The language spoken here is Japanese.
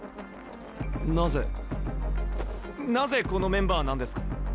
なぜなぜこのメンバーなんですか？